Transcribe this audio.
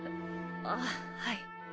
えあはい。